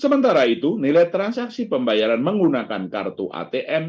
sementara itu nilai transaksi pembayaran menggunakan kartu atm